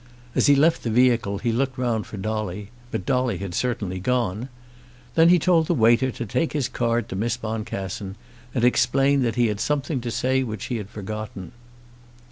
As he left the vehicle he looked round for Dolly, but Dolly had certainly gone. Then he told the waiter to take his card to Miss Boncassen, and explain that he had something to say which he had forgotten.